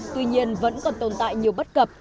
tuy nhiên vẫn còn tồn tại nhiều bất cập